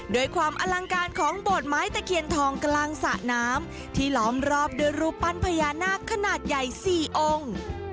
ด้วยความอลังการของโบสถไม้ตะเคียนทองกลางสระน้ำที่ล้อมรอบด้วยรูปปั้นพญานาคขนาดใหญ่๔องค์